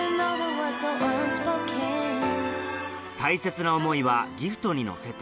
大切な思いはギフトに乗せて